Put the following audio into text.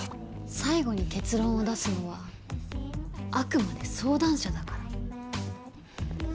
最後に結論を出すのはあくまで相談者だから。